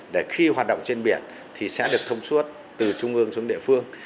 để khi hoạt động trên biển thì sẽ được thông suốt từ trung ương xuống địa phương